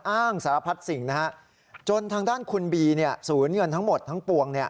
อ้างสารพัดสิ่งนะฮะจนทางด้านคุณบีศูนย์เงินทั้งหมดทั้งปวง